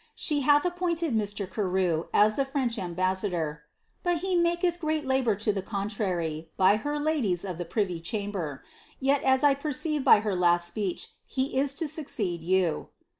She hath appointed Mr. Carew, as the French ambaasa bor, 'but he maketh great labour lo the contrary, by her ladies of the privy chamber; yet, as 1 perceive by her last speech, he is to succeed you.'